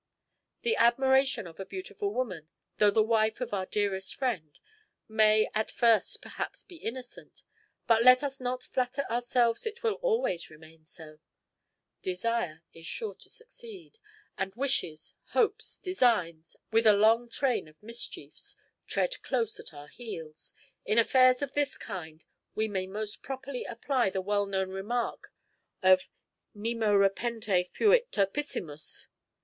The admiration of a beautiful woman, though the wife of our dearest friend, may at first perhaps be innocent, but let us not flatter ourselves it will always remain so; desire is sure to succeed; and wishes, hopes, designs, with a long train of mischiefs, tread close at our heels. In affairs of this kind we may most properly apply the well known remark of _nemo repente fuit turpissimus.